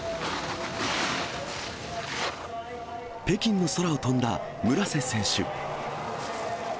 北京の空を飛んだ村瀬選手。